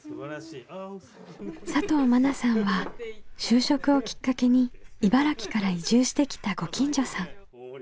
佐藤愛さんは就職をきっかけに茨城から移住してきたご近所さん。